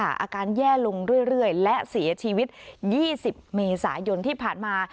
อาการแย่ลงเรื่อยและเสียชีวิต๒๐เมษายนที่ผ่านมา